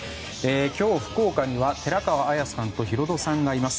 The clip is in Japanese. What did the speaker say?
今日、福岡には寺川綾さんとヒロドさんがいます。